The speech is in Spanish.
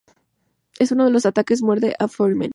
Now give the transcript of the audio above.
En uno de sus ataques, muerde a Foreman.